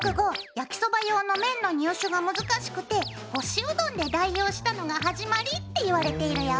焼きそば用の麺の入手が難しくて干しうどんで代用したのが始まりっていわれているよ！